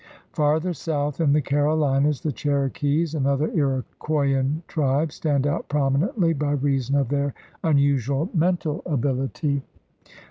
Farther south in the Carolinas, the Cherokees, another Iroquoian tribe, stand out prominently by reason of their unusual mental ability.